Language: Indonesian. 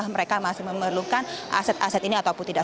mereka masih memerlukan aset aset ini ataupun tidak